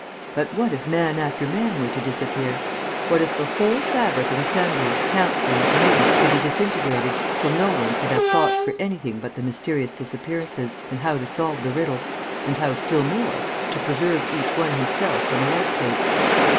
But what if man after man were to disappear? What if the whole fabric of Assembly, Council, and Committees should be disintegrated, till no one could have thoughts for anything but the mysterious disappearances and how to solve the riddle, and how, still more, to preserve each one himself from a like fate?